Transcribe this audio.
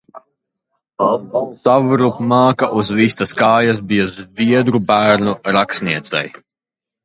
Savrupmāka uz vistas kājas bija zviedru bērnu rakstniecei.